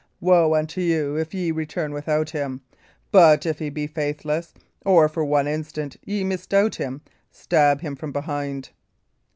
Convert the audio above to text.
Woe unto you, if ye return without him! But if he be faithless or, for one instant, ye misdoubt him stab him from behind."